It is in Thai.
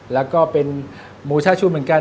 แล้วก็เป็นโมชาชูเหมือนกัน